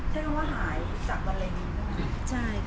ใช้คำว่าหายจากมะเร็งนะคะ